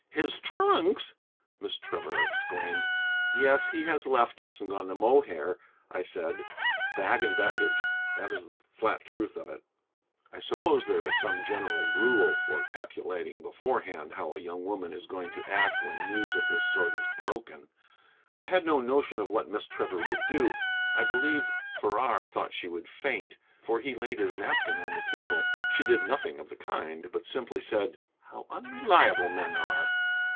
"His trunks!" Miss Trevor exclaimed. "Yes, he has left us and gone to Mohair," I said, "bag and baggage. That is the flat truth of it." I suppose there is some general rule for calculating beforehand how a young woman is going to act when news of this sort is broken. I had no notion of what Miss Trevor would do. I believe Farrar thought she would faint, for he laid his napkin on the table. She did nothing of the kind, but said simply: "How unreliable men are!"